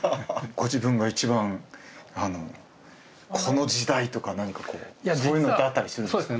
ご自分が一番この時代とか何かこうそういうのってあったりするんですか？